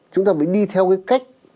chúng ta phải đi theo cái cách